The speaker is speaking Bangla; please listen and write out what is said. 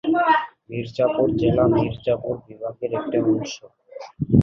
মির্জাপুর জেলা মির্জাপুর বিভাগের একটি অংশ।